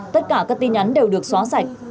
tất cả các tin nhắn đều được xóa sạch